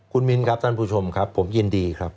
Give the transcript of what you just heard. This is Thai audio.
คุณมิ้นครับท่านผู้ชมครับผมยินดีครับ